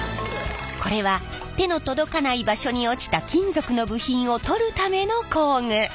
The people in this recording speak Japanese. これは手の届かない場所に落ちた金属の部品を取るための工具。